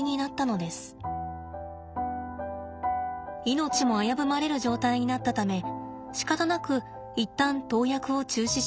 命も危ぶまれる状態になったためしかたなく一旦投薬を中止しました。